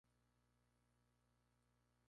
El partido se definía como socialcristiano.